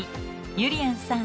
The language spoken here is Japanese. ゆりやんさん